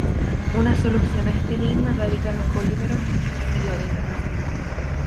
Una solución a este enigma radica en los polímeros biodegradables.